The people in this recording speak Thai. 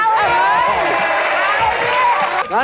เอาเลย